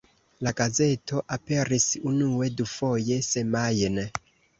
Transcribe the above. La gazeto aperis unue dufoje semajne.